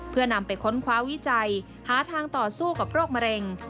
เพื่อนำไปค้นคว้าวิจัยหาทางต่อสู้กับโรคมะเร็ง